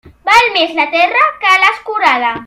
Val més la terra que l'escurada.